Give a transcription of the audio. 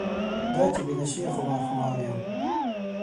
دا چې بې نشې خمار خمار یم.